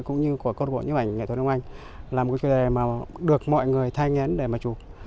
cũng như của cộng đồng nhếp ảnh nghệ thuật đông anh là một cái đề mà được mọi người thanh nhẫn để mà chụp